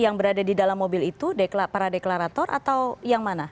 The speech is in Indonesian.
yang berada di dalam mobil itu para deklarator atau yang mana